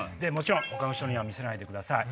他の人には見せないでください。